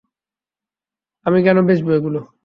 আমি কেন বেচবো এইগুলা?